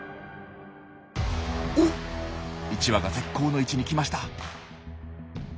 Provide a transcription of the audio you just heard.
１羽が絶好の位置に来ました。